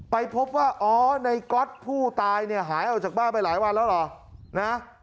ไปพบว่าในกฎผู้ตายหายออกจากบ้านไปหลายวันแล้วเหรอ